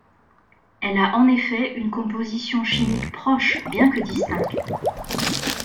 Elle a en effet une composition chimique proche, bien que distincte.